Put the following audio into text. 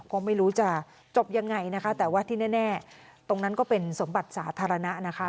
ก็ไม่รู้จะจบยังไงนะคะแต่ว่าที่แน่ตรงนั้นก็เป็นสมบัติสาธารณะนะคะ